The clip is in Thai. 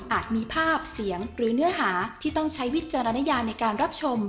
มีภาพเสียงหรือเนื้อหาที่ต้องใช้วิจารณญาในการรับชม